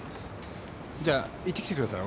じゃ行ってきてください。